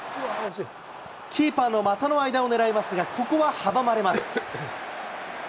キーパーの股の間を狙いますが、ここは阻まれます。